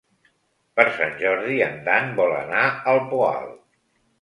Per Sant Jordi en Dan vol anar al Poal.